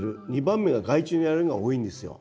２番目が害虫にやられるのが多いんですよ。